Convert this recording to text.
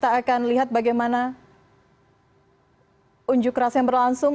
kita akan lihat bagaimana unjuk rasa yang berlangsung